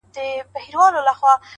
اوس يې صرف غزل لولم. زما لونگ مړ دی.